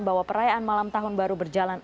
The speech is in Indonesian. bahwa perayaan malam tahun baru berjalan